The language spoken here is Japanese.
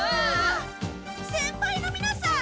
先輩のみなさん！